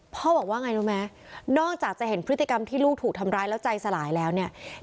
บอกว่าไงรู้ไหมนอกจากจะเห็นพฤติกรรมที่ลูกถูกทำร้ายแล้วใจสลายแล้วเนี่ย